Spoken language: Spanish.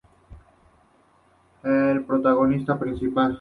El protagonista principal.